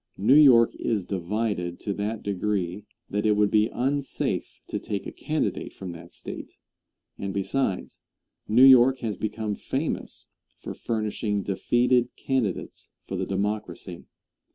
New York is divided to that degree that it would be unsafe to take a candidate from that State; and besides, New York has become famous for furnishing defeated candidates for the Democracy.